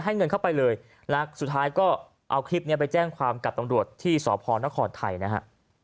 เงินเข้าไปเลยนะสุดท้ายก็เอาคลิปนี้ไปแจ้งความกับตำรวจที่สพนครไทยนะฮะ